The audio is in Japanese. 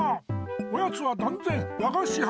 おやつはだんぜんわがしは！